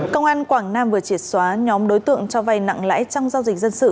công an quảng nam vừa triệt xóa nhóm đối tượng cho vay nặng lãi trong giao dịch dân sự